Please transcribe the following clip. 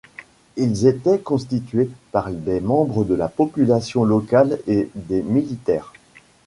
Ils étaient constitués par des membres de la population locale et des militaires.